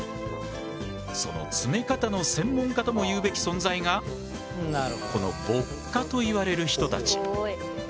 その詰め方の専門家ともいうべき存在がこの歩荷といわれる人たち。